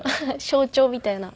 象徴みたいな。